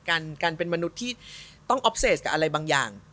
การเป็นมนุษย์ที่ต้องออฟเซตกับอะไรบางอย่าง